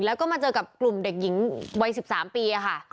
แล้วก็มาเจอกับกลุ่มเด็กหญิงวัย๑๓ปีค่ะ